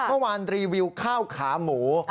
เมื่อวานรีวิวข้าวขาหมู